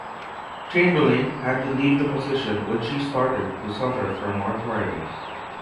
Chamberlain had to leave the position when she started to suffer from arthritis.